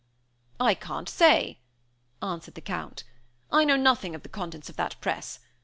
"I can't say," answered the Count. "I know nothing of the contents of that press.